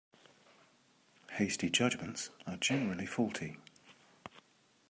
Hasty judgements are generally faulty.